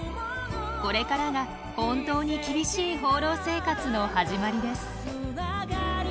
これからが本当に厳しい放浪生活の始まりです。